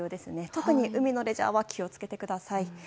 特に海のレジャーは気を付けてください。